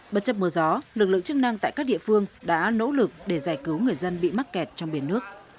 bất chấp mưa gió lực lượng chức năng tại các địa phương đã nỗ lực để giải cứu người dân bị mắc kẹt trong biển nước